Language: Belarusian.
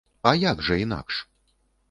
А як жа інакш?